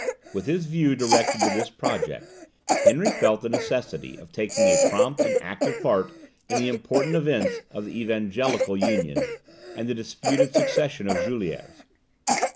With his view directed to this project, Henry felt the necessity of taking a prompt and active part in the important events of the Evangelical Union, and the disputed succession of Juliers.